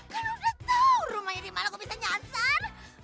kan udah tahu rumah ini mana kok bisa nyasar